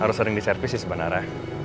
harus sering di servis sih sebenarnya